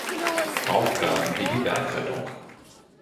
Aufgaben wie die Bergrettung.